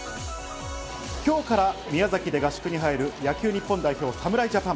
今日から宮崎で合宿に入る、野球の日本代表・侍ジャパン。